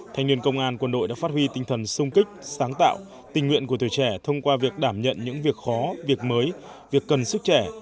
thanh niên công an quân đội đã phát huy tinh thần sung kích sáng tạo tình nguyện của tuổi trẻ thông qua việc đảm nhận những việc khó việc mới việc cần sức trẻ